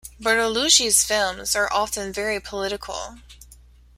Bertolucci's films are often very political.